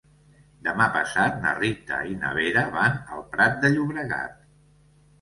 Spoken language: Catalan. Demà passat na Rita i na Vera van al Prat de Llobregat.